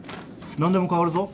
何でも代わるぞ。